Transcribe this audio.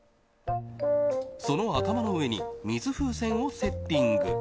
その頭の上に水風船をセッティング。